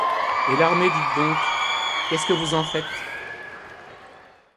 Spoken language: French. Et l'armée, dites donc qu'est-ce que vous en faites?